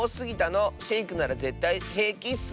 シェイクならぜったいへいきッス！